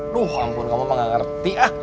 duh ampun kamu mah enggak ngerti ah